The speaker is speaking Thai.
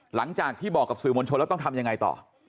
หลังจากที่บอกกับสื่อมวลชนแล้วต้องทำยังไงต่อ